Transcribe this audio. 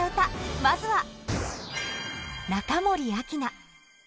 まずは中森明菜。